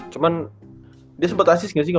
cuman dia sempet asis ga sih ga masalah ga ya